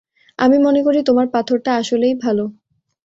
আমি মনে করি তোমার পাথরটা আসলেই ভালো।